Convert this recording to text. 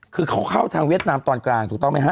คือเขาเข้าทางเวียดนามตอนกลางถูกต้องไหมฮ